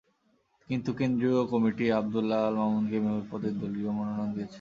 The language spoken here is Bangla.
কিন্তু কেন্দ্রীয় কমিটি আবদুল্যাহ আল মামুনকেই মেয়র পদে দলীয় মনোনয়ন দিয়েছে।